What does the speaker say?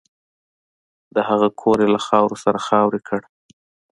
د هغه کور یې له خاورو سره خاورې کړ